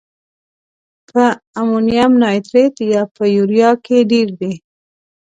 په امونیم نایتریت یا په یوریا کې ډیر دی؟